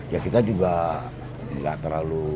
ya kita juga nggak terlalu